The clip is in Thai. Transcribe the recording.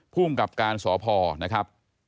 ภูมิกับการสพนะครับ